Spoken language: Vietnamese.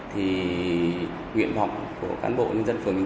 thì nguyện vọng của cán bộ nhân dân phường